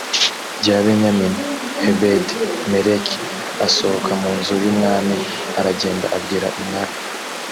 rya benyamini h ebedi meleki asohoka mu nzu y umwami aragenda abwira umwami